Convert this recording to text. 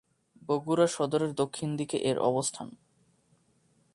বগুড়া সদরের দক্ষিণ দিকে এর অবস্থান।